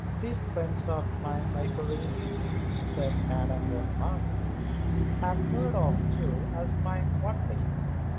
"These friends of mine, my Karen," said Madame von Marwitz, "have heard of you as mine only.